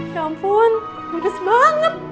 ya ampun budes banget